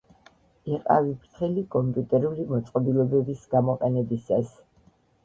იყავი ფრთილი კომპიუტერული მოწყობილობების გამოყენებისას